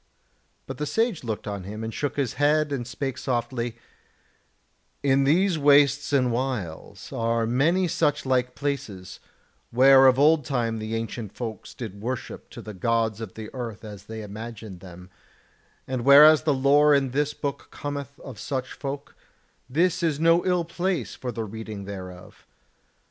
But the Sage looked on him and shook his head and spake softly: "In these wastes and wilds are many such like places, where of old time the ancient folks did worship to the Gods of the Earth as they imagined them: and whereas the lore in this book cometh of such folk, this is no ill place for the reading thereof.